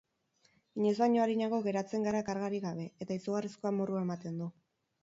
Inoiz baino arinago geratzen gara kargarik gabe, eta izugarrizko amorrua ematen du.